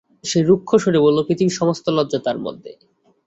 সে রুক্ষ স্বরে বলল, পৃথিবীর সমস্ত লজ্জা তার মধ্যে।